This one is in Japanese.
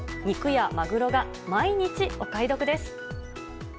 肉やマグロが毎日お買い得です。